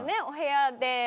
お部屋で。